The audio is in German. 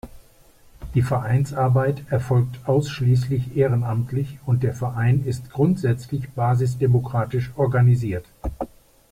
Die Vereinsarbeit erfolgt ausschließlich ehrenamtlich und der Verein ist grundsätzlich basisdemokratisch organisiert.